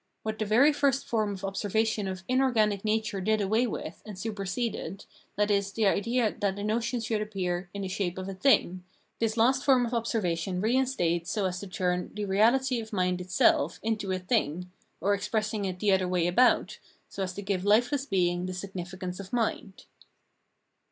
What the very first form of observation of inorganic nature did away with and superseded, viz. the idea that the notion should appear in the shape of a thing, this last form of observation reinstates so as to turn the reahty of mind itself into a thing, or expressing it the other way about, so as to give hfeless being the significance of mind.